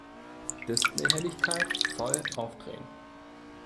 Displayhelligkeit voll aufdrehen!